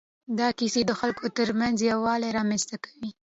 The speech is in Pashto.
دا کیسې د خلکو تر منځ یووالی رامنځ ته کوي.